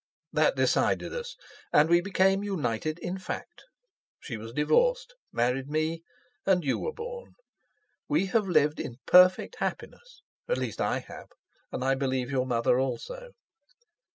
That decided us, and we became united in fact. She was divorced, married me, and you were born. We have lived in perfect happiness, at least I have, and I believe your mother also.